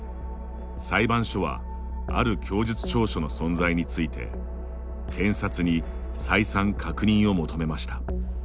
裁判所はある供述調書の存在について検察に再三、確認を求めました。